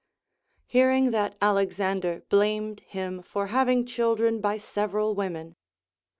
Hearing that Alexander blamed him for having children by several women.